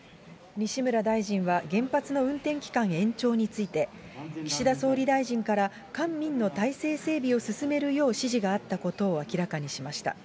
西村大臣は原発の運転期間延長について、岸田総理大臣から、官民の体制整備を進めるよう指示があったことを明らかにしました。